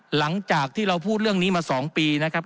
หลังจากที่เราพูดเรื่องนี้มา๒ปีนะครับ